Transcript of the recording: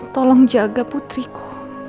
tolong jaga putriku